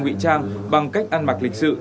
nguy trang bằng cách ăn mặc lịch sự